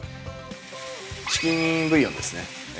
◆チキンブイヨンですね。